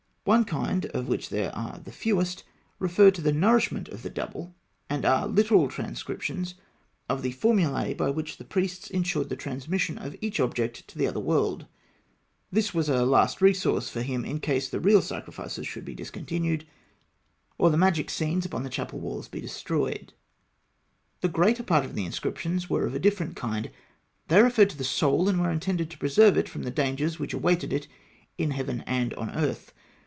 One kind of which there are the fewest refer to the nourishment of the Double, and are literal transcriptions of the formulae by which the priests ensured the transmission of each object to the other world; this was a last resource for him, in case the real sacrifices should be discontinued, or the magic scenes upon the chapel walls be destroyed. The greater part of the inscriptions were of a different kind. They referred to the soul, and were intended to preserve it from the dangers which awaited it, in heaven and on earth.